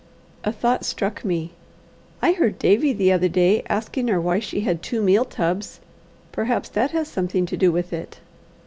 A thought struck me. "I heard Davie the other day asking her why she had two meal tubs: perhaps that has something to do with it."